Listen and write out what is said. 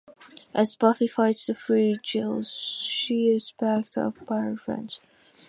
As Buffy fights to free Giles she is backed up by her friends.